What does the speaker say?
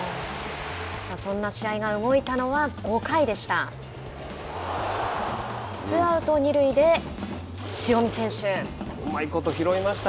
そんな試合が動いたのは５回でした。